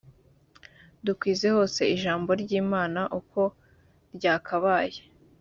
dukwize hose ijambo ry imana uko ryakabaye